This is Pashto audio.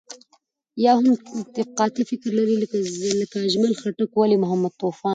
يا هم طبقاتي فکر لري لکه اجمل خټک، ولي محمد طوفان.